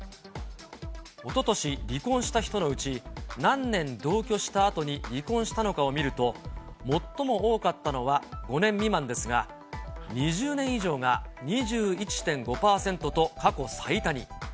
おととし離婚した人のうち、何年同居したあとに離婚したのかを見ると、最も多かったのは５年未満ですが、２０年以上が２１．５％と過去最多に。